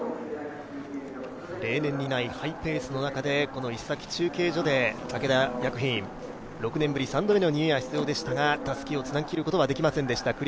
例年にないハイペースの中で、伊勢崎中継所で武田薬品、６年ぶり３度目のニューイヤー出場でしたが、たすきをつなぎ切ることはできませんでした。